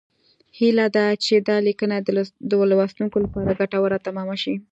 هیله ده چې دا لیکنه د لوستونکو لپاره ګټوره تمامه شي